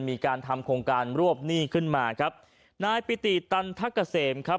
มีการทำโครงการรวบหนี้ขึ้นมาครับนายปิติตันทะเกษมครับ